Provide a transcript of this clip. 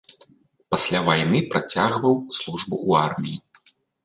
Пасля вайны працягваў службу ў арміі.